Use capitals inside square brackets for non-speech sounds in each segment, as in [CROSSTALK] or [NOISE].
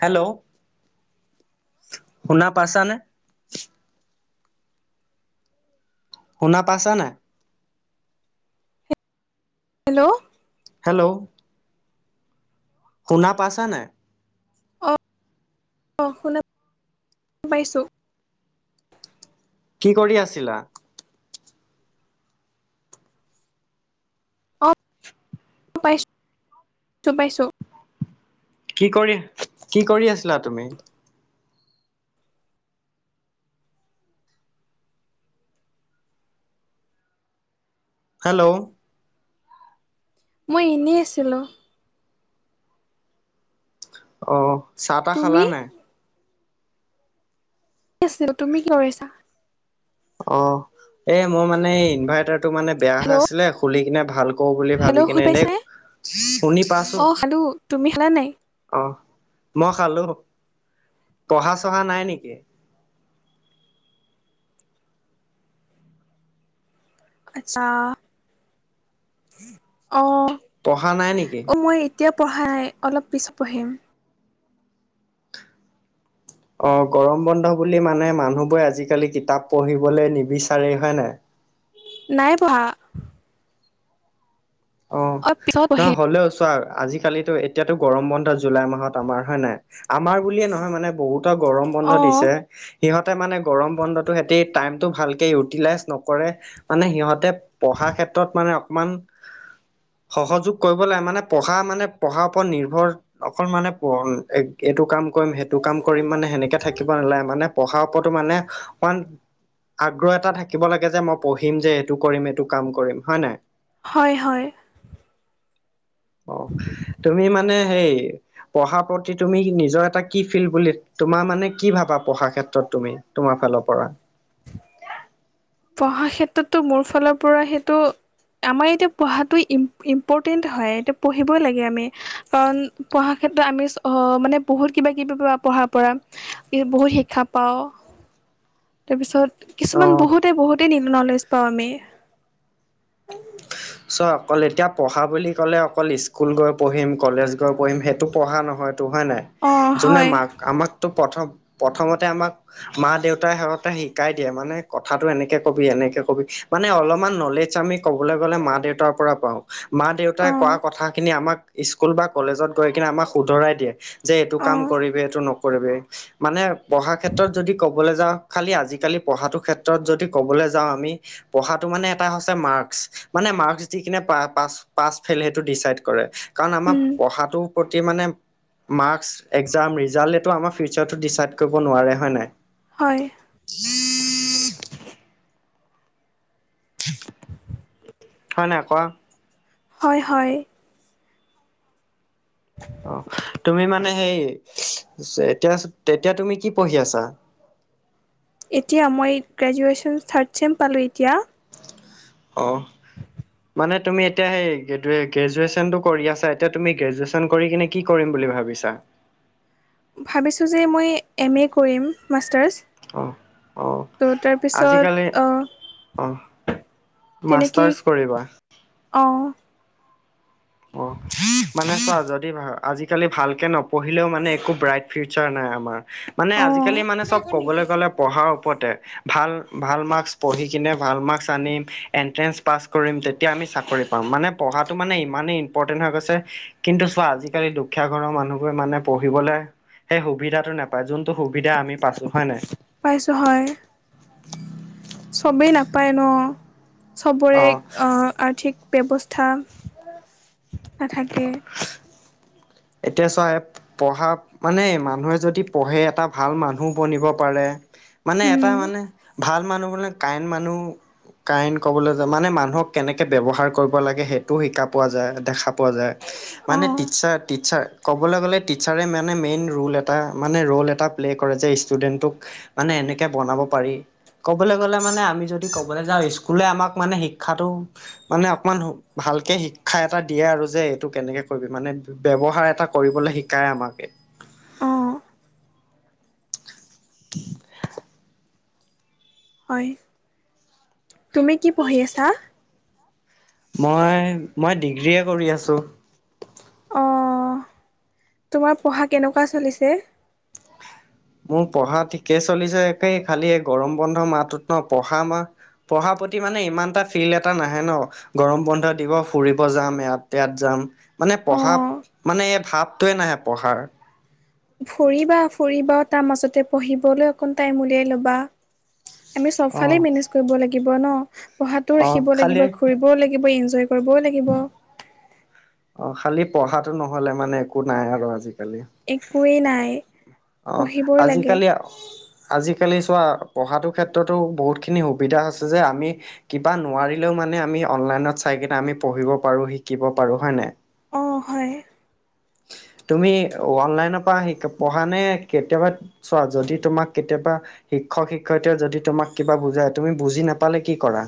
Hello শুনা পাইছা নে? শুনা পাইছা নাই হেল্ল হেল্ল শুনা পাছা নাই অ অ', শুনা পাইছো। কি কৰি আছিলা? আ, পাইছো পাইছো কি কৰি কি কৰি আছিলা তুমি? হেল্ল মই এনেই আছিলো। অ চাহ তা খালা তুমি নাই? আছিলো তুমি কি কৰিছা? অ এ মোৰ মানে এই ইনভাৰ্টাৰটো মানে বেয়া হৈ হেল্ল' আছিলে খুলি কিনে ভাল কৰো বুলি ভাবি হেল্ল' শুনি কেনে এনেই পাইছানে শুনি পাছো। অ খালো তুমি খালা নাই? অ', মই খালো পঢ়া চঢ়া নাই নেকি? আচ্ছা অ পঢ়া নাই নেকি? অ মই এতিয়া পঢ়াই অলপ পিছত পঢ়িম। অ', গৰম বন্ধ বুলি মানে মানুহবোৰে আজিকালি কিতাপ পঢ়িবলে নিবিচাৰে হয়নে? নাই পঢ়া। অ', পিছত নহয় পঢ়িম হ'লেও চোৱা আজিকালিতো এতিয়াতো গৰম বন্ধ জুলাই মাহত আমাৰ হয় নাই। আমাৰ বুলিয়ে নহয় মানে বহুতৰ গৰম বন্ধ অ দিছে। সিহঁতে মানে গৰম বন্ধতো সেতি টাইমটো ভালকে ইউটিলাইজ নকৰে মানে সিহঁতে পঢ়াৰ ক্ষেত্ৰত মানে অকমান সহযোগ কৰিব লাগে। মানে পঢ়া মানে পঢ়াৰ ওপৰত নিৰ্ভৰ অকল মানে পৰ্ণ এক এইটো কাম কৰিম সেইটো কাম কৰিম মানে সেনেকে থা কিব নালাগে মানে পঢ়াৰ ওপৰতো মানে ৱান আগ্ৰহ এটা থাকিব লাগে যে মই পঢ়িম যে এইটো কৰিম এইটো কাম কৰিম হয় নাই হয় হয় অ তুমি মানে সেই পঢ়াৰ প্ৰতি তুমি নিজৰ এটা কি ফিল্ড বুলি তোমাৰ মানে কি ভাবা পঢ়া ক্ষেত্ৰত তুমি তোমাৰ ফালৰ পৰা পঢ়া ক্ষেত্ৰততো মোৰ ফালৰ পৰা সেইটো আমাৰ এতিয়া পঢ়াতো ইম ইম্পৰ্টেণ্ট হয় এতিয়া পঢ়িবই লাগে আমি কাৰণ পঢ়াৰ ক্ষেত্ৰত আমি অ মানে বহুত কিবা কিবি পঢ়াৰ পৰা ই বহুত শিক্ষা পাও [INAUDIBLE] তাৰপিছত কিছুমান অ'। বহুতে বহুতেই নলেজ পাও আমি চোৱা অকল এতিয়া পঢ়া বুলি ক'লে অকল স্কুল গৈ পঢ়িম কলেজ পঢ়িম সেইটো পঢ়া নহয়তো হয় নাই অঁ যোনে হয় মাক আমাক ত প্ৰথম প্ৰথমতে আমাক মা দেউতাই সিহঁতে শিকাই দিয়ে মানে কথাটো এনেকে কবি এনেকে কবি মানে অলপমান নলেজ আমি ক'বলে গ'লে মা দেউতাৰ পৰা পাওঁ মা দেউতাই অঁ কোৱা কথাখিনি আমাক স্কুল বা কলেজত গৈ কেনে আমাক শুধৰাই দিয়ে যে এইটো কাম অঁ কৰিবি এইটো নকৰিবি। মানে পঢ়াৰ ক্ষেত্ৰত যদি ক'বলে যাওঁ খালি আজিকালি পঢ়াটোৰ ক্ষেত্ৰত যদি ক'বলে যাওঁ আমি পঢ়াটো মানে এটা হৈছে মাৰ্কচ মানে মাৰ্ক দিকিনে পা পাচ পাচ ফেল সেইটো ডিচাইদ কৰে কাৰণ আমাক উম পঢ়াটো পতি মানে মাৰ্কচ একজাম ৰিজাল্ট এইটো আমাৰ ফিউচাৰটো ডিচাইড কৰিব নোৱাৰে হয় নাই হয় হয় নাই কোৱা হয় হয় অ তুমি মানে সেই এতিয়া তেতিয়া তুমি কি পঢ়ি আছা এতিয়া মই গ্ৰেজুৱেশ্যন থাৰ্ড চেম পালো এতিয়া অহ মানে তুমি এতিয়া সেই গ্ৰেদু গ্ৰেজুৱেচনটো কৰি আছা এতিয়া তুমি গ্ৰেজুৱেচন কৰি কিনে কি কৰিম বুলি ভাবিছা ভাবিছো যে মই এম এ কৰিম মাষ্টাৰ্ছ অ অ ত' আজিকালি তাৰপিছত অহ মাষ্টাৰ্চ কৰিবা অহ অ মানে চোৱা যদি আজিকালি ভালকে নপঢ়িলেও মানে একো ব্ৰাইট ফিউচাৰ নাই আমাৰ মানে অ', আজিকালি মানে চব ক'বলৈ গলে পঢ়াৰ ওপৰতে ভাল ভাল মাৰ্কছ পঢ়ি কিনে ভাল মাৰ্কছ আনিম এণ্ট্ৰেঞ্চ পাছ কৰিম তেতিয়া আমি চাকৰি পাম মানে পঢ়াটো মানে মেইন ইমানেই ইম্পটেণ্ট হৈ গৈছে কিন্তু চোৱা আজিকালি দুখীয়া ঘৰৰ মানুহবোৰে মানে পঢ়িবলে সেই সুবিধাটো নাপাই যোনটো সুবিধা আমি পাইছো হয় নাই পাইছো হয় চবেই নাপায় ন চবৰে অ আৰ্থিক ব্যৱস্থা নাথাকে এতিয়া চোৱা এপ পঢ়া মানে মানুহে যদি পঢ়ে এটা ভাল মানুহ বনিব পাৰে মানে উম এটা মানে ভাল মানুহ বোলে কাইন মানুহ কাইন ক'বলে যে মানে মানুহক কেনেকে ব্যৱহাৰ কৰিব লাগে সেইটোও শিকা পোৱা যায় দেখা পোৱা যায় অ মানে টিচাৰ টিচাৰ ক'বলে গ'লে টিচাৰে মানে মেইন ৰোল এটা মানে ৰোল এটা প্লে' কৰে যে ষ্টুডেণ্টক মানে এনেকে বনাব পাৰি ক'বলে গ'লে মানে আমি যদি ক'বলে যাওঁ স্কুলে আমাক মানে শিক্ষাটো মানে অকমান ভালকে শিক্ষা এটা দিয়ে আৰু যে এইটো কেনেকে কৰিবি মানে ব্যৱহাৰ এটা কৰিবলৈ শিকায় আমাক অ [UNINTELLIGIBLE] হয় তুমি কি পঢ়ি আছা মই মই ডিগ্ৰীয়ে কৰি আছো অহ তোমাৰ পঢ়া কেনেকুৱা চলিছে মোৰ পঢ়া ঠিকে চলিছে একেই খালি এই গৰম বন্ধ মাহটোত ন পঢ়া আমা পঢ়াৰ প্ৰতি মানে ইমান এটা ফিল্ড এটা নাহে ন গৰম বন্ধ দিব ফুৰিব যাম, ইয়াত ইয়াত যাম মানে অ পঢ়া মানে এই ভাৱটোৱে নাহে পঢ়াৰ। ফুৰিবা ফুৰিবা তাৰ মাজতে পঢ়িবলৈ অকণ টাইম উলিয়াই লবা। আমি অ চবফালে মেনেজ কৰিব লাগিব ন, পঢ়াটো অ ৰাখিব লাগিব খালি ঘূৰি কৰিব লাগিব, ইনজয় কৰিবও লাগিব, অ খালি পঢ়াটো নহ'লে মানে একো নাই আৰু আজিকালি। একুৱেই নাই অ পঢ়িবই লাগে আজিকালি আজিকালি চোৱা পঢ়াটোৰ ক্ষেত্ৰতো বহুতখিনি সুবিধা আছে যে আমি কিবা নোৱাৰিলেও মানে আমি অনলাইনত চাই কেনে আমি পঢ়িব পাৰো, শিকিব পাৰো, হয় নাই? অ হয়। তুমি অনলাইনৰ পৰা পঢ়া নে কেতিয়াবা চোৱা যদি তোমাক কেতিয়াবা শিক্ষক শিক্ষয়িত্ৰীয়ে যদি তোমাক কিবা বুজাই তুমি বুজি নাপালে কি কৰা?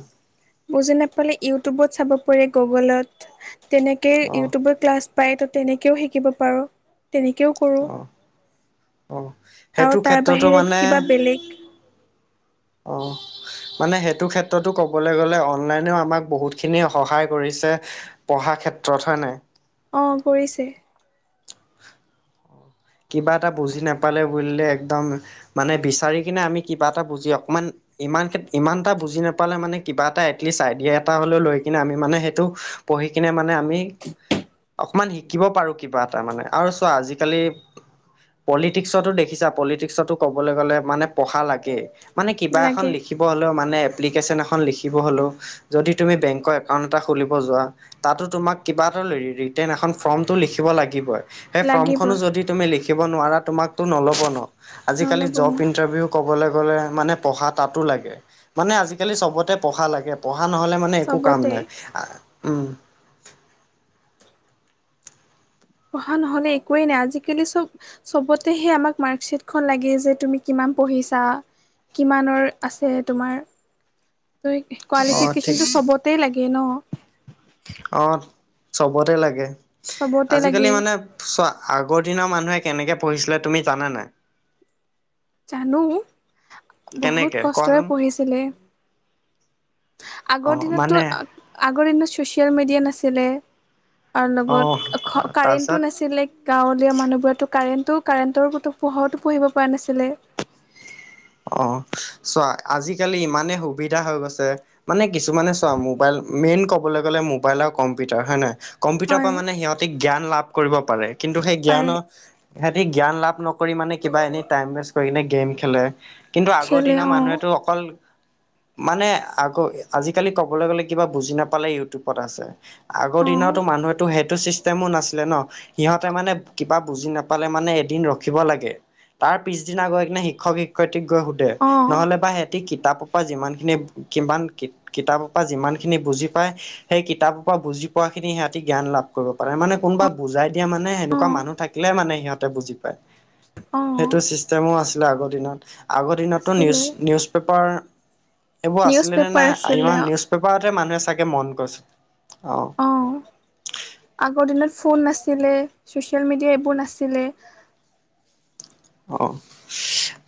বুজি নাপালে ইউটিউবত চাব পাৰি গুগলত তেনেকেই অ ইউটিউবৰ ক্লাছ পায় তেনেকৈও শিকিব পাৰোঁ, তেনেকেও কৰোঁ। অহ আৰু সেইটো তাৰ ক্ষেত্ৰতো বাহিৰে মানে কিবা বেলেগ অহ মানে সেইটো ক্ষেত্ৰতো ক'বলৈ গ'লে অনলাইনেও আমাক বহুতখিনি সহায় কৰিছে পঢ়া ক্ষেত্ৰত হয় নাই? অ কৰিছে। কিবা এটা বুজি নাপালে বুলিলে একদম মানে বিচাৰি কিনে আমি কিবা এটা বুজি অকমান ইমান ইমান এটা বুজি নাপালে মানে কিবা এটা এটলিষ্ট আইডিয়া এটা হ'লেও লৈ কিনে আমি মানে সেইটো পঢ়ি কিনে মানে আমি অকমান শিকিব পাৰো কিবা এটা মানে আৰু চোৱা আজিকালি পলিটিক্সতো দেখিছা পলিটিক্সতো ক'বলৈ গ'লে মানে পঢ়া লাগে। মানে কিবা এখন লাগে লিখিব হ'লেও মানে এপ্লিকেশ্যন এখন লিখিব হ'লেও যদি তুমি বেংকৰ একাউণ্ট এটা খুলিব যোৱা তাতো তোমাক কিবা এটা ৰিটেন এখন ফ্ৰম লিখিব লাগিবই। সেই লাগিব ফৰ্মখনো যদি তুমি লিখিব নোৱাৰা তোমাকতো নল'ব ন, আজিকালি নল'ব জব ইণ্টাৰভিউ ক'বলৈ গ'লে মানে পঢ়া তাতো লাগে মানে আজিকালি চবতে পঢ়া লাগে। পঢ়া নহ'লে মানে একো কাম চবতে নাই। আ উম। পঢ়া নহ'লে একোৱেই নাই আজিকালি চব চবতেহে আমাক মাৰ্কশ্বিট খন লাগে, যে তুমি কিমান পঢ়িছা? কিমানৰ আছে তোমাৰ কোৱালি অ' ঠিক ফিকেশ্যনটো চবতে লাগে ন। অ চবতে লাগে চবতে লাগে আজিকালি মানে চোৱা আগৰ দিনৰ মানুহে কেনেকে পঢ়িছিলে তুমি জানা নাই? জানো বহুত কেনেকে কষ্টৰে কোৱাচোন? পঢ়িছিলে। আগৰ অ' দিনতটো মানে আগৰ দিনত ছ'চিয়েল মিডিয়া নাছিলে, তাৰ অ' লগত তাৰপিছত কাৰেণ্টো নাছিলে, গাঁৱলীয়া মানুহবোৰতো কাৰেণ্টো কাৰেণ্টৰো পোহৰত পঢ়িব পৰা নাছিলে, অ চোৱা আজিকালি ইমানেই সুবিধা হৈ গৈছে মানে কিছুমানে চোৱা মোবাইল, মেইন কবলৈ গলে মোবাইল আৰু কম্পিউটাৰ হয় নে নহয়? কম্পিউটাৰ পৰা হয় মানে সিহঁতে জ্ঞান লাভ কৰিব পাৰে, কিন্তু সেই পাৰে জ্ঞানৰ সিহঁতি জ্ঞান লাভ নকৰি মানে কিবা এনেই টাইম ৱেচ কৰি কিনে গেম খেলে, কিন্তু আগৰ খেলে দিনৰ অ মানুহেতো অকল মানে আকৌ আজিকালি ক'বলৈ গ'লে কিবা বুজি নাপালে ইউটিউবত আছে। আগৰ অ দিনতো মানুহেতো হে টো চিষ্টেমো নাছিলে ন, সিহঁতে মানে কিবা বুজি নাপালে, মানে এদিন ৰখিব লাগে। তাৰ পিছদিনা গৈ কিনে শিক্ষক শিক্ষয়িত্ৰীক গৈ সুধে, অ ন'হলে বা টি কিতাপৰ পৰা যিমানখিনি, কিমান কিত কিতাপৰ পৰা যিমানখিনি বুজি পায় সেই কিতাপৰ পৰা বুজি পোৱা খিনি, সিহঁতি জ্ঞান লাভ কৰিব পাৰে, মানে কোনোবা বুজাই দিয়া মানে সেনেকুৱা মানুহ অ থাকিলে মানে সিহঁতে বুজি পায়, অ সেইটো চি টেমও আছিলে আগৰ দিনত, আগৰ দিনতো নিউজ, আছিলে নিউজ পেপাৰ এইবোৰ নিউজ আছিলে নে পেপাৰ নাই, আছিলে ইমান নিউজ পেপাৰতে মানুহে চাগে মন কৰিছে, অ'। আগৰ দিনত ফোন নাছিলে, চচিয়েল মিডিয়া এইবোৰ নাছিলে। অ'।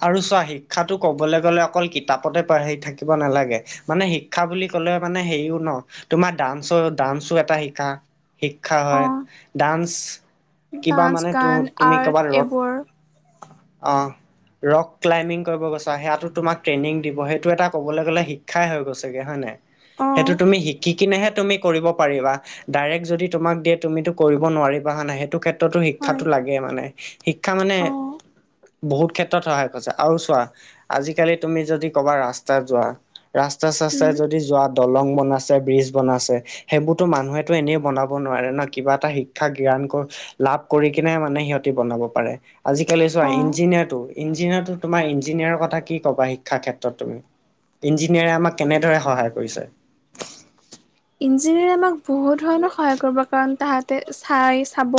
আৰু চোৱা শিক্ষাতো কবলৈ গ'লে, অকল কিতাপতে পঢ়ি থাকিব নালাগে। মানে শিক্ষা বুলি ক'লে, মানে হেৰিও ন তোমাৰ ডান্স, ডান্সো এটা শিকা। শিক্ষা অ হয়, ডান্স, কিবা ডান্স মানে, ত গান তুমি আৰ্ট কবাত ৰদ এইবোৰ অ'। ৰক ক্লাই্বিং কৰিব গৈছা, সেইয়া টো তোমাক ট্ৰেনিং দিব, সেইটো এটা ক'বলে গ'লে শিক্ষাই হৈ গৈছে গে, হয় নে নাই? অ সেইটো তুমি শিকি কিনেহে তুমি কৰিব পাৰিবা। ডাইৰেক্ট যদি তোমাক দিয়ে, তুমিটো কৰিব নোৱাৰিবা হৈ নে নাই, সেইটো ক্ষেত্ৰত ক্ষ্ৰো হয় শিক্ষাতো লাগে, মানে শিক্ষা মানে অ বহুত ক্ষেত্ৰত সহায় কৰিছে, আৰু চোৱা আজিকালি তুমি যদি ক'বা ৰাস্তাত যোৱা। ৰাস্তা উম চস্তাই যদি যোৱা, দলং বনাইছে ব্ৰিজ বনাইছে। সেইবোৰতো মানুহেতো এনেই বনাব নোৱাৰে ন, কিবা এটা শিক্ষা গ্ৰহণ লাভ কৰি কিনে মানে, সিহঁতি বনাব পাৰে আজি কেলে ছোৱা অ ইঞ্জিনিয়াৰটো, ইঞ্জিনিয়াৰ তোমাৰ ইঞ্জিনিয়াৰৰ, কথা কি কবা শিক্ষাৰ ক্ষেত্ৰত তুমি ইঞ্জিনিয়াৰে আমাক কেনেদৰে সহায় কৰিছে? ইঞ্জিনিয়াৰে আমাক বহুত ধৰণৰ সহায় কৰিব, কাৰণ তাহাঁতে চাই চাব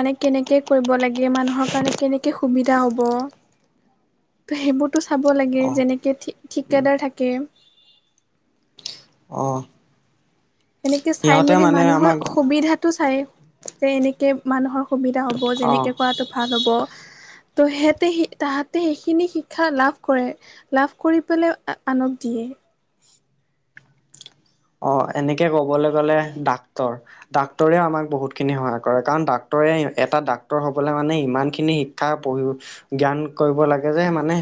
মানে কেনেকে কৰিব লাগে, মানুহৰ কাৰণে কেনেকে সুবিধা হ'ব। ত সেইবোৰতো চাব লাগে, অ যেনেকে ঠিক ঠিকাদাৰ থাকে। অ'। এনেকে চাই সিহঁতে মেলি মানে মানুহৰ আমাক সুবিধাটো চাই, যে এনে কে মানুহৰ সুবিধা হ'ব, অ যেনেকে কৰাটো ভাল হ'ব। ত' সেহেতেঁ, সি তাহাঁতে সেইখিনি শিক্ষা লাভ কৰে। লাভ কৰি পেলাই, আ আনক দিয়ে। অ', এনেকে ক'বলৈ গ'লে ডাক্তৰ ডাক্তৰেও আমাক বহুতখিনি সহায় কৰে, কাৰণ ডাক্তৰে এটা ডাক্তৰ হ'বলৈ মানে ইমানখিনি [UNINTELLIGIBLE] পঢ়ি, জ্ঞান কৰিব লাগে যে মানে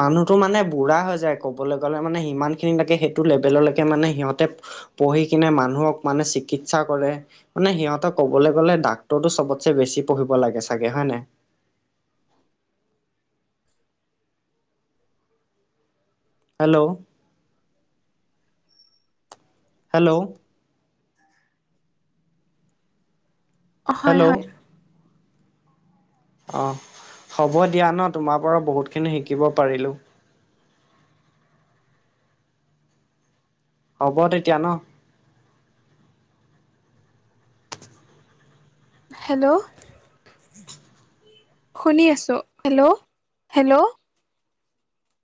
মানুহতো মানে বুঢ়া হৈ যায় ক'বলৈ গ'লে, মানে ইিমান খিনি লৈকে সেইটো লেৱেলৰলৈকে মানে সিহঁতে পঢ়ি কিনে মানুহক মানে চিকিৎসা কৰে। মানে সিহঁতক ক'বলৈ গ'লে, ডাক্তৰটো চবতচে বেছি পঢ়িব লাগে চাগে, হয় নে নাই? হেল্ল'। হেল্ল'। অ', হয় হেল্ল' হয়। অ', হ'ব দিয়া ন, তোমাৰ পৰাও বহুত খিনি শিকিব পাৰিলো। হ'ব তেতিয়া ন। হেল্ল'। শুনি আছো। হেল্ল'-হেল্ল'।